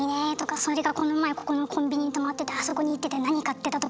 「それがこの前ここのコンビニに止まっててあそこに行ってて何買ってた」とか。